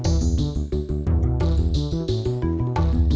kang mus j founder pelajaran planned